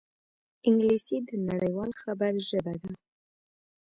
انګلیسي د نړيوال خبر ژبه ده